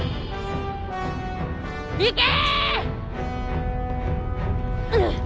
行け！